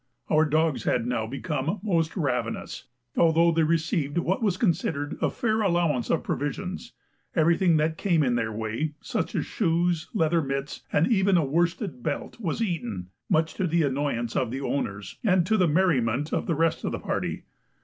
Our dogs had now become most ravenous; although they received what was considered a fair allowance of provisions, everything that came in their way, such as shoes, leather mitts, and even a worsted belt, was eaten, much to the annoyance of the owners and to the merriment of the rest of the party.